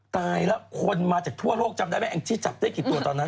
ตายแล้วคนมาจากทั่วโลกจำได้ไหมแองจี้จับได้กี่ตัวตอนนั้น